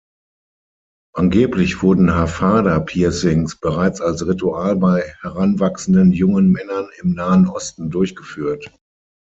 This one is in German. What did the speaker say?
Angeblich wurden Hafada-Piercings bereits als Ritual bei heranwachsenden jungen Männern im Nahen Osten durchgeführt.